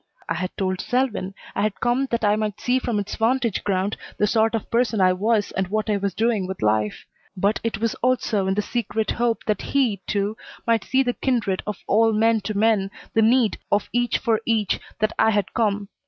I had told Selwyn I had come that I might see from its vantage ground the sort of person I was and what I was doing with life; but it was also in the secret hope that he, too, might see the kindred of all men to men, the need of each for each, that I had come.